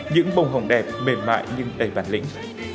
những bông hồng đẹp mềm mại nhưng đầy bản lĩnh